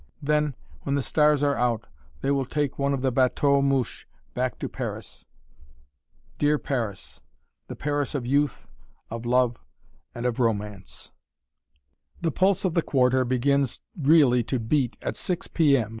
Then, when the stars are out, they will take one of the "bateaux mouches" back to Paris. Dear Paris the Paris of youth, of love, and of romance! The pulse of the Quarter begins really to beat at 6 P.M.